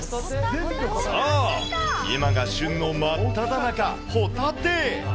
そう、今が旬の真っただ中、ホタテ。